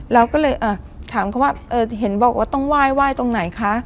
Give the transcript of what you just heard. เราก็เลยอ่ะถามเขาว่าเอ่อเห็นบอกว่าต้องไหว้ไหว้ตรงไหนคะ